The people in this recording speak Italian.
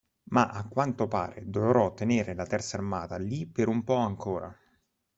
Ma a quanto pare dovrò tenere la terza armata lì per un po' ancora.